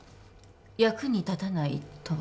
役に立たないとは？